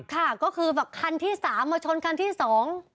ค่ะก็คือแบบคันที่สามมาชนคันที่สอง